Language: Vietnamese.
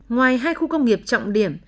ngoài hai khu công nghiệp trọng điểm